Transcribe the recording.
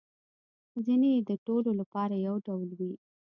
ځینې يې د ټولو لپاره یو ډول وي